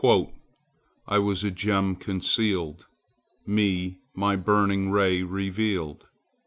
LOVE "I was as a gem concealed; Me my burning ray revealed."